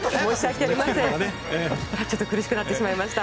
ちょっと苦しくなってしまいました。